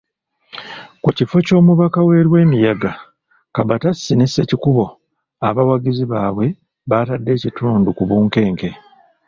Ku kifo ky'Omubaka we Lwemiyaga, Kabatsi ne Ssekikubo, abawagizi baabwe batadde ekitundu ku bunkenke.